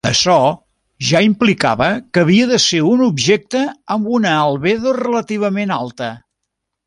Açò ja implicava que havia de ser un objecte amb una albedo relativament alta.